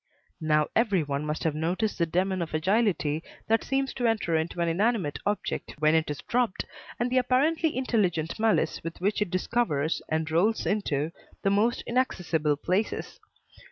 Now every one must have noticed the demon of agility that seems to enter into an inanimate object when it is dropped, and the apparently intelligent malice with which it discovers, and rolls into, the most inaccessible places.